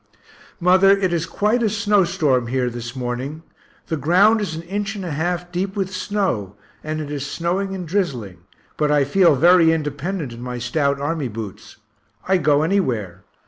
Mother, it is quite a snow storm here this morning the ground is an inch and a half deep with snow and it is snowing and drizzling but I feel very independent in my stout army boots; I go anywhere.